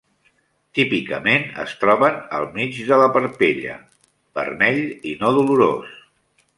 Típicament es troben al mig de la parpella, vermell i no dolorós.